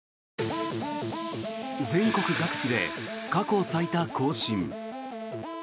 全国各地で過去最多更新。